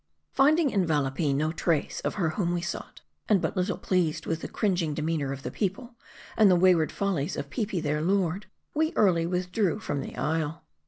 FINDING in Valapee 110 trace of her whom we sought, and but little pleased with the cringing demeanor of the people, and . the wayward follies of Peepi their lord, we early withdrew from the isle.